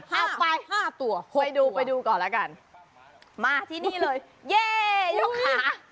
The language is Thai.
๕ตัว๖ตัวไปดูก่อนละกันมาที่นี่เลยเย้ยกขา